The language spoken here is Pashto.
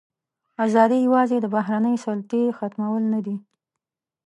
ازادي یوازې د بهرنۍ سلطې ختمول نه دي.